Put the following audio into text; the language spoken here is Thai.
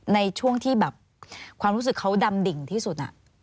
ในช่วงที่แบบความรู้สึกเขาดำดิ่งที่สุด